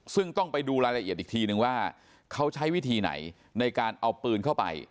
ซึ่งต้องไปดูรายละเอียดอีกทีนึงว่าเขาใช้วิธีไหนในการเอาปืนเข้าไป